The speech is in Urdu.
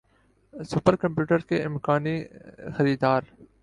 سُپر کمپوٹر کے امکانی خریدار